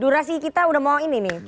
durasi kita udah mau ini nih